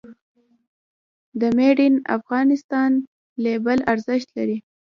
د "Made in Afghanistan" لیبل ارزښت لري؟